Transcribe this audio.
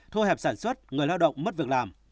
thu hẹp sản xuất người lao động mất việc làm